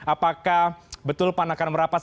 apakah betul pan akan merapat